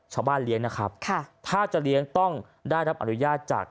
เลี้ยงนะครับค่ะถ้าจะเลี้ยงต้องได้รับอนุญาตจาก